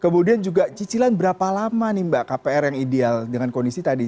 kemudian juga cicilan berapa lama nih mbak kpr yang ideal dengan kondisi tadi